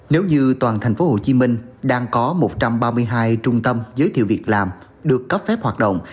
nếu như toàn thành phố hồ chí minh đang có một trăm ba mươi hai trung tâm giới thiệu việc làm được cấp phép hoạt động